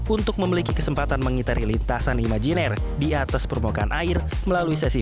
untuk memiliki kesempatan mengitari lintasan imajiner di atas permukaan air melalui sesi